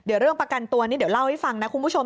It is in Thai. เดี๋ยวเรื่องประกันตัวนี้เดี๋ยวเล่าให้ฟังนะคุณผู้ชม